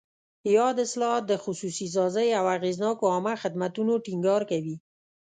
یاد اصلاحات د خصوصي سازۍ او اغېزناکو عامه خدمتونو ټینګار کوي.